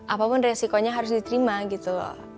apapun resikonya harus diterima gitu